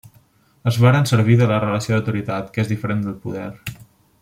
Es varen servir de la relació d'autoritat, que és diferent del poder.